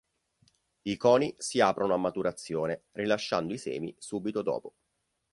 I coni si aprono a maturazione, rilasciando i semi subito dopo.